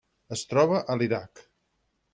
Es troba a l'Iraq.